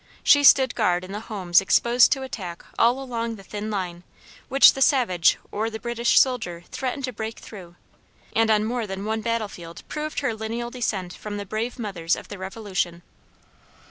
She stood guard in the homes exposed to attack all along the thin line, which the savage or the British soldier threatened to break through, and on more than one battle field proved her lineal descent from the brave mothers of the Revolution.